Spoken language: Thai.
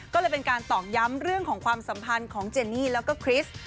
ก็เลยเป็นการตอกย้ำเรื่องของความสัมพันธ์ของเจนี่แล้วก็คริสต์